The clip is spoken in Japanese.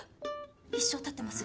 一生立ってます。